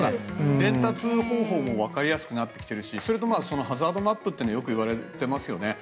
伝達方法もわかりやすくなってきてるしそれとハザードマップはよくいわれていますよね。